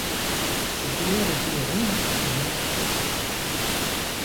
Ses couleurs étaient Rouge et Blanc.